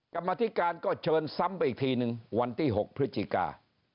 กรรมธิการก็เชิญซ้ำไปอีกทีหนึ่งวันที่๖พฤศจิกา